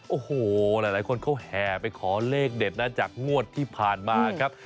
โอ้โหหลายคนเขาแห่ไปขอเลขเด็ดนะจากงวดที่ผ่านมาครับ